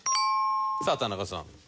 さあ田中さん。